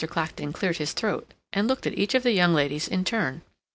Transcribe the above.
Clacton cleared his throat and looked at each of the young ladies in turn.